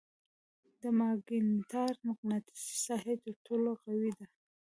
د ماګنیټار مقناطیسي ساحه تر ټولو قوي ده.